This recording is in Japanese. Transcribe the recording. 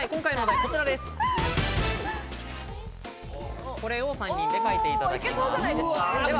これを３人で描いていただきます。